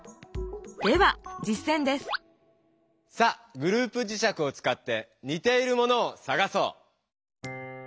ではじっせんですさあグループじしゃくをつかってにているものをさがそう！